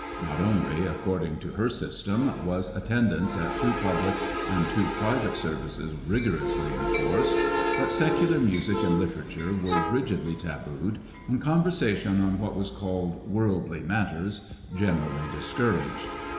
Not only, according to her sys tem, was attendance at two public and two private services rigorously enforced, but Becular music and literature were rigidly tabooed, and conversation on what was called worldly matters generally discouraged.